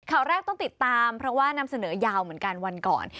ข่าวแรกต้องติดตามเพราะว่านำเสนอยาวเหมือนกันวันก่อน